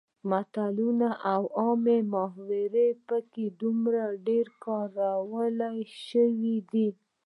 متلونه او عامې محاورې پکې ډیر کارول شوي دي